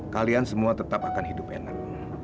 kalian semua tetap akan hidup enak